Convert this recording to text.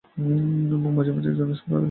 এবং মাঝে-মাঝে এক জনের সঙ্গে অন্য জন কথা বলে।